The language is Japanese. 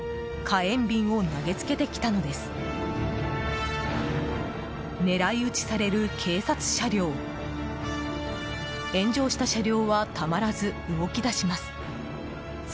炎上した車両はたまらず動き出します。